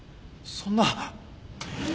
そんな。